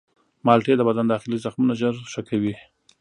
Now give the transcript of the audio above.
مالټې د بدن داخلي زخمونه ژر ښه کوي.